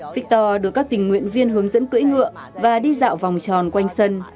victor được các tình nguyện viên hướng dẫn cưỡi ngựa và đi dạo vòng tròn quanh sân